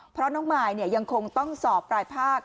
เพราะน้องมายยังคงต้องสอบปลายภาค